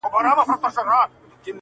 په ځان وهلو باندي ډېر ستړی سو، شعر ليکي.